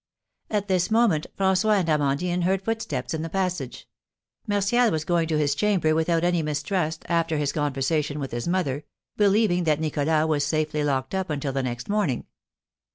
At this moment François and Amandine heard footsteps in the passage. Martial was going to his chamber, without any mistrust, after his conversation with his mother, believing that Nicholas was safely locked up until the next morning.